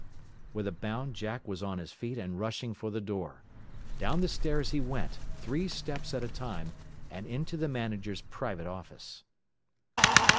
With a bound Jack was on his feet and rushing for the door. Down the stairs he went, three steps at a time, and into the manager's private office.